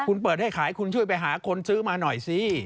คุณเปิดให้ขายคุณช่วยไปหาคนซื้อมาหน่อยสิ